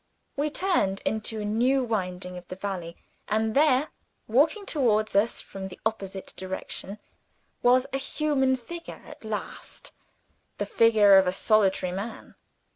We turned into a new winding of the valley and there, walking towards us from the opposite direction, was a human figure at last the figure of a solitary man!